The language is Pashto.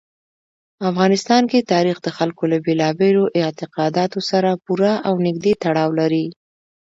افغانستان کې تاریخ د خلکو له بېلابېلو اعتقاداتو سره پوره او نږدې تړاو لري.